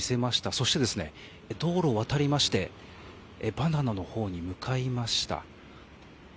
そして道路を渡りましてバナナのほうに向かいました。